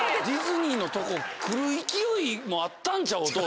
ディズニーのとこ来る勢いもあったんちゃう？